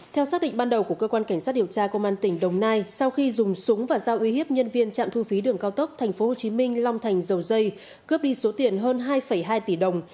theo xác định ban đầu của cơ quan cảnh sát điều tra công an tỉnh đồng nai sau khi dùng súng và giao uy hiếp nhân viên trạm thu phí đường cao tốc tp hcm long thành dầu dây cướp đi số tiền hơn hai hai tỷ đồng